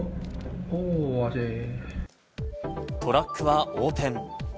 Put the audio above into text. トラックは横転。